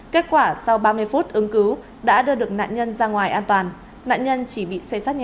kết quả sau ba mươi phút ứng cứu đã đưa được nạn nhân ra ngoài an toàn nạn nhân chỉ bị xây sát nhẹ nhà